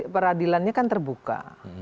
peradilannya kan terbuka